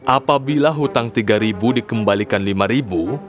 apabila hutang tiga ribu dikembalikan lima ribu